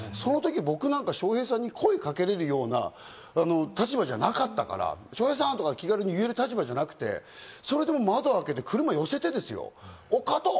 そのとき、僕なんか笑瓶さんに声かけられるような立場じゃなかったから、「笑瓶さん！」とか気軽に言える立場じゃなくて、それでも窓開けて、車を寄せてですよ、おう、加藤！